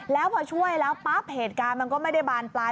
แล้วพอช่วยแล้วปั๊บเหตุการณ์มันก็ไม่ได้บานปลาย